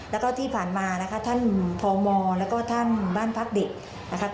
แล้วก็ที่ผ่านมานะคะท่านพมแล้วก็ท่านบ้านพักเด็กนะคะ